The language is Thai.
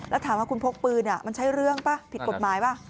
แล้วถามว่าคุณพกปืนมันใช้เรื่องป่ะผิดกฎหมายป่ะ